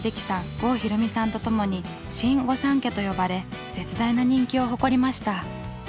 郷ひろみさんとともに「新御三家」と呼ばれ絶大な人気を誇りました。